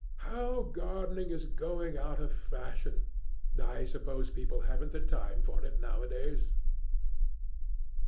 How gardening is going out of fashion; I suppose people haven't the time for it nowadays."